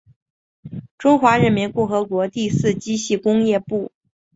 中华人民共和国第四机械工业部。